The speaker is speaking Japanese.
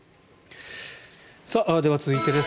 では、続いてです。